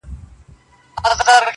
دا د تورزنو د خپلویو ځالۍ٫